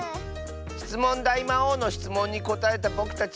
しつもんだいまおうのしつもんにこたえたぼくたち